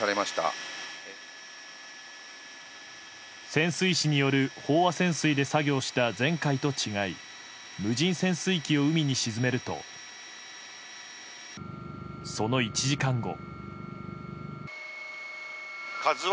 潜水士による飽和潜水で作業した、前回と違い無人潜水機を海に沈めるとその１時間後。